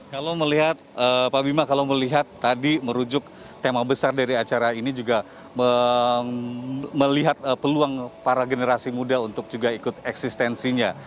kalau melihat pak bima kalau melihat tadi merujuk tema besar dari acara ini juga melihat peluang para generasi muda untuk juga ikut eksistensinya